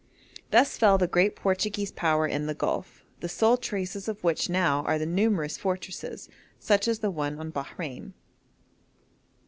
Thus fell the great Portuguese power in the Gulf, the sole traces of which now are the numerous fortresses, such as the one on Bahrein.